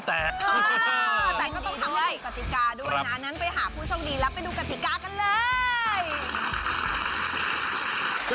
แต่ก็ต้องทำให้ถูกกติกาด้วยนะงั้นไปหาผู้โชคดีแล้วไปดูกติกากันเลย